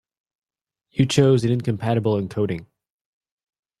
You chose an incompatible encoding.